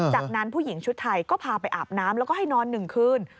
จากนั้นผู้หญิงชุดไทยก็พาไปอาบน้ำแล้วก็ให้นอน๑คืน